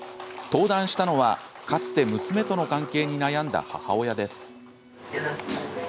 登壇したのは、かつて娘との関係に悩んだ母親です。